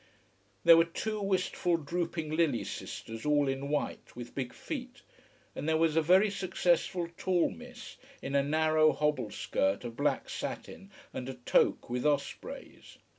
There were two wistful, drooping lily sisters, all in white, with big feet. And there was a very successful tall miss in a narrow hobble skirt of black satin and a toque with ospreys.